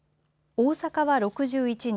大阪は６１人。